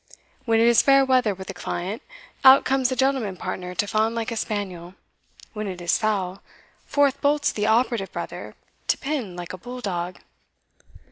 When it is fair weather with the client, out comes the gentleman partner to fawn like a spaniel; when it is foul, forth bolts the operative brother to pin like a bull dog.